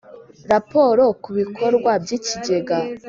Raporo ku bikorwa by ikigega